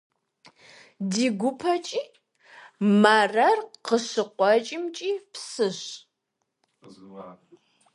Ди гупэкӀи, Марэр къыщыкъуэкӀымкӀи псыщ.